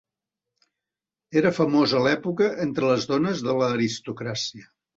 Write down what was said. Era famós a l'època entre les dones de l'aristocràcia.